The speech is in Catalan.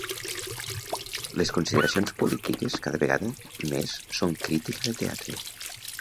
Les consideracions polítiques cada vegada més són crítica de teatre.